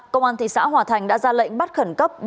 công an thị xã hòa thành đã ra lệnh bắt khẩn cấp